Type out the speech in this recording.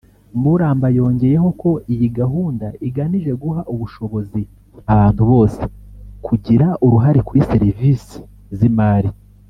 Maramba yongeyeho ko iyi gahunda iganije guha ubushobozi abantu bose kugira uruhare kuri serivisi z’imari